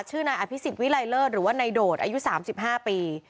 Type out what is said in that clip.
นายอภิษฎวิไลเลิศหรือว่านายโดดอายุ๓๕ปี